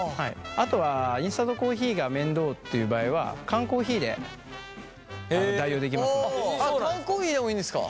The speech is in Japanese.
あとはインスタントコーヒーが面倒っていう場合はあっ缶コーヒーでもいいんですか？